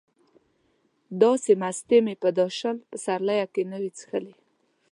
دا مستې مې په دا شل پسرلیه کې نه وې څښلې.